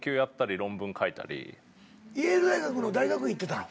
イェール大学の大学院行ってたの？